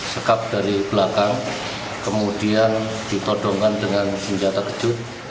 sekap dari belakang kemudian ditodongkan dengan senjata kejut